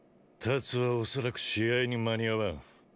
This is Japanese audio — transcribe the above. タツは恐らく試合に間に合わん。